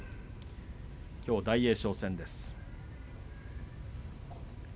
きょうは大栄翔戦です。